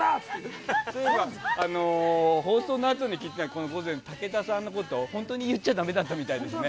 放送のあとに気づいたんですけど武田さんのことは本当に言っちゃダメだったみたいですね。